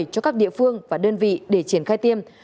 cho các địa phương và đơn vị để triển khai tiêm